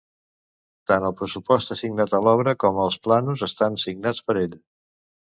Tant el pressupost assignat a l'obra, com els plànols, estan signats per ell.